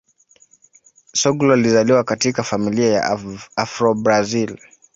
Soglo alizaliwa katika familia ya Afro-Brazil.